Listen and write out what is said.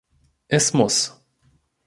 Es muss.